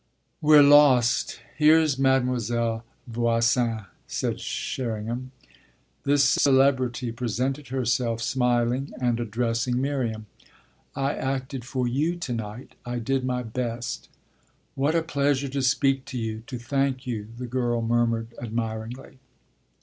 "We're lost here's Mademoiselle Voisin," said Sherringham. This celebrity presented herself smiling and addressing Miriam. "I acted for you to night I did my best." "What a pleasure to speak to you, to thank you!" the girl murmured admiringly.